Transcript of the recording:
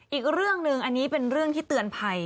อีกเรื่องหนึ่งอันนี้เป็นเรื่องที่เตือนภัย